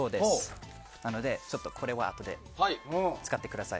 なので、これをあとで使ってください。